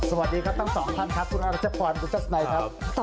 สวัสดีครับตั้ง๒ท่านครับคุณธรรมชะพรคุณเจ้าสไนค์ครับ